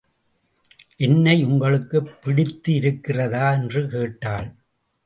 என்னை உங்களுக்குப் பிடித்து இருக்கிறதா என்று கேட்டாள்.